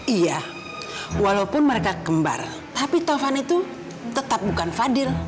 iya walaupun mereka kembar tapi taufan itu tetap bukan fadil